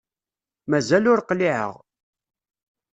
Mazal ur qliεeɣ.